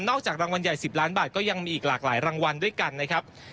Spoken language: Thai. จากรางวัลใหญ่๑๐ล้านบาทก็ยังมีอีกหลากหลายรางวัลด้วยกันนะครับ